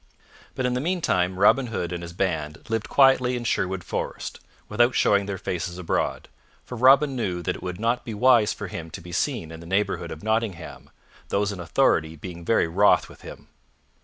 But in the meantime Robin Hood and his band lived quietly in Sherwood Forest, without showing their faces abroad, for Robin knew that it would not be wise for him to be seen in the neighborhood of Nottingham, those in authority being very wroth with him.